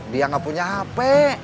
dia nggak punya hp